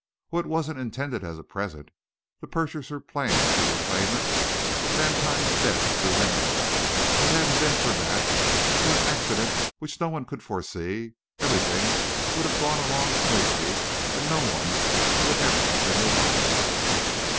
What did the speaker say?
"Oh, it wasn't intended as a present. The purchaser planned to reclaim it but Vantine's death threw him out. If it hadn't been for that for an accident which no one could foresee everything would have gone along smoothly and no one would ever have been the wiser."